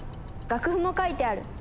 楽譜も書いてある。